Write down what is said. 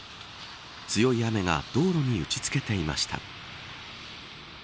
強い雨が道路に打ち付けていました。